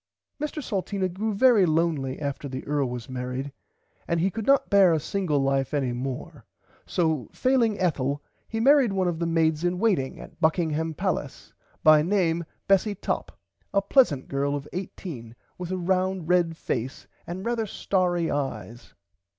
Mr Salteena grew very lonely after the earl was marrid and he could not bear a single life any more so failing Ethel he marrid one of the maids in waiting at Buckingham palace by name Bessie Topp a plesant girl of 18 with a round red face and rarther stary eyes.